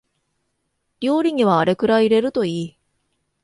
料理にはあれくらい入れるといい